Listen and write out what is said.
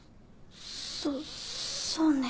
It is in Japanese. そそうね。